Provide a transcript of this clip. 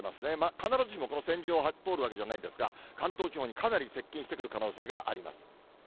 必ずしもこの線上を通るわけではないんですが、関東地方にかなり接近してくる可能性があります。